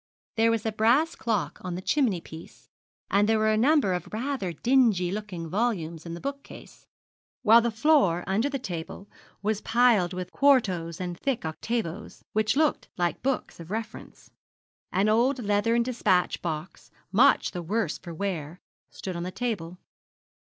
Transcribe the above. There was a brass clock on the chimney piece, and there were a number of rather dingy looking volumes in the bookcase, while the floor under the table was piled with quartos and thick octavos, which looked like books of reference. An old leathern despatch box, much the worse for wear, stood on the table.